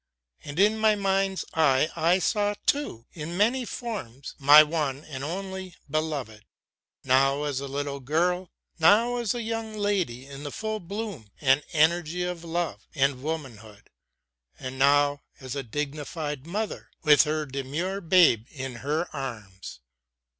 And in my mind's eye I saw, too, in many forms, my one and only Beloved, now as a little girl, now as a young lady in the full bloom and energy of love and womanhood, and now as a dignified mother with her demure babe in her arms.